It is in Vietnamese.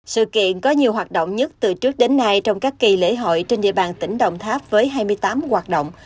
sự kiện có nhiều hoạt động nhất từ trước đến nay trong các kỳ lễ hội trên địa bàn tỉnh đồng tháp với hai mươi tám hoạt động